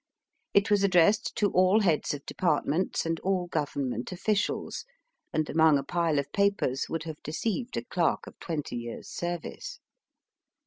It was addressed to all heads of departments and all Government officials, and among a pile of papers would have deceived a clerk of twenty years service.